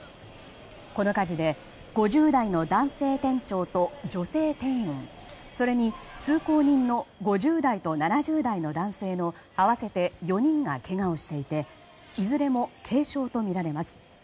この火事で５０代の男性店長と女性店員それに通行人の５０代と７０代の男性の合わせて４人がけがをしていていずれも軽傷とみられます。